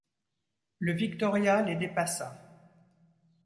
Le Victoria les dépassa.